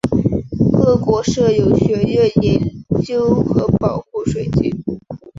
各国设有学院研究和保护水晶。